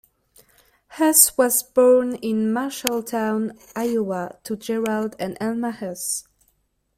Huss was born in Marshalltown, Iowa, to Gerald and Elma Huss.